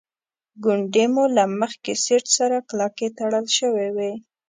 ګونډې مو له مخکې سیټ سره کلکې تړل شوې وې.